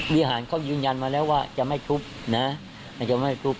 วิหารเขายืนยันมาแล้วว่าจะไม่ทุบนะจะไม่ทุบ